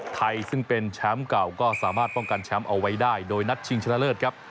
ไทยซึ่งเป็นแชมป์เก่าก็สามารถป้องกันแชมป์เอาไว้ได้โดยนัดชิงชนะเลิศครับ